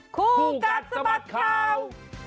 คู่กัดสะบัดข่าว